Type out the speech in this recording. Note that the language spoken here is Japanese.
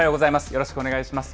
よろしくお願いします。